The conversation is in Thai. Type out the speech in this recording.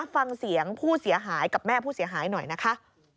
ฟังเสียงผู้เสียหายกับแม่ผู้เสียหายหน่อยนะคะ